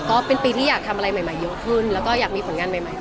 ก็เป็นปีที่อยากทำอะไรใหม่เยอะขึ้นแล้วก็อยากมีผลงานใหม่